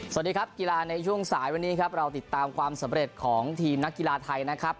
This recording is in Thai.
สวัสดีครับกีฬาในช่วงสายวันนี้ครับเราติดตามความสำเร็จของทีมนักกีฬาไทยนะครับ